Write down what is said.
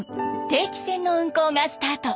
定期船の運航がスタート。